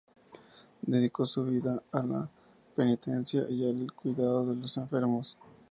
Dedicó su vida a la penitencia y al cuidado de los enfermos.